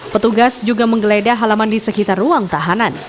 petugas juga menggeledah halaman di sekitar ruang tahanan